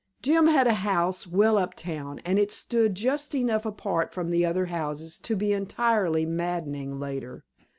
Jim had a house well up town, and it stood just enough apart from the other houses to be entirely maddening later.